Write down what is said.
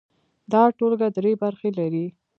دا ټولګه درې برخې لري.